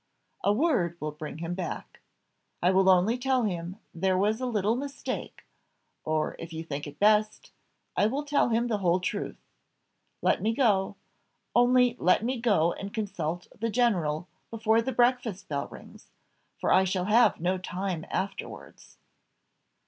A word will bring him back. I will only tell him there was a little mistake, or if you think it best, I will tell him the whole truth. Let me go only let me go and consult the general before the breakfast bell rings, for I shall have no time afterwards."